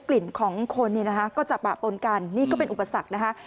กลิ่นของคนเนี่ยนะคะก็จะปะปนกันนี่ก็เป็นอุปสรรคนะคะ